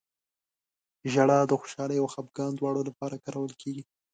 • ژړا د خوشحالۍ او خفګان دواړو لپاره کارول کېږي.